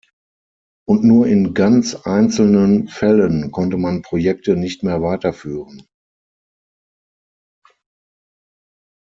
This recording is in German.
Und nur in ganz einzelnen Fällen konnte man Projekte nicht mehr weiterführen.